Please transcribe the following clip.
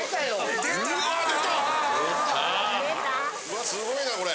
わすごいなこれ。